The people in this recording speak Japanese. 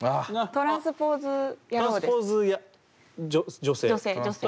トランスポーズ女性。